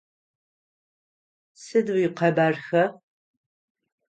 Сыд уикъэбархэ?